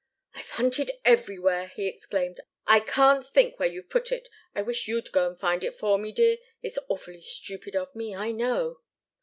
"I've hunted everywhere!" he exclaimed. "I can't think where you've put it. I wish you'd go and find it for me, dear. It's awfully stupid of me, I know!"